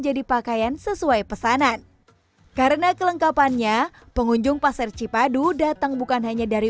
jadi pakaian sesuai pesanan karena kelengkapannya pengunjung pasar cipadu datang bukan hanya dari